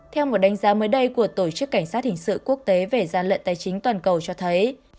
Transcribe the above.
theo một đánh giá mới đây của tổ chức cảnh sát hình sự quốc tế về gian lận tài chính toàn cầu cho thấy